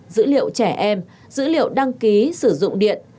dữ liệu trẻ em dữ liệu đăng ký sử dụng điện